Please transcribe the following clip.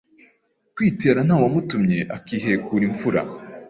kwitera ntawa mutumye akihekura imfura